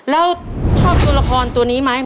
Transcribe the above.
แล้วชอบตัวนี้ราคานี่ไหม